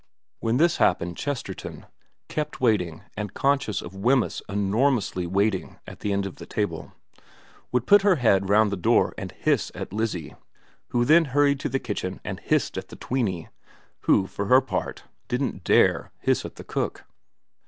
When this happened Chesterton, kept waiting and conscious of Wemyss enormously waiting at the end of the table, would put her head round the door and hiss at Lizzie, who then hurried to the kitchen and hissed at the tweeny, who for her part didn't dare hiss at the cook.